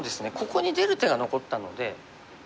ここに出る手が残ったので。